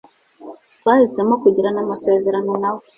Twahisemo kugirana amasezerano na we.